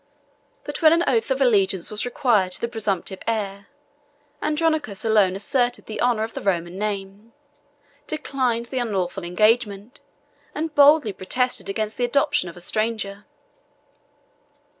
But when an oath of allegiance was required to the presumptive heir, Andronicus alone asserted the honor of the Roman name, declined the unlawful engagement, and boldly protested against the adoption of a stranger.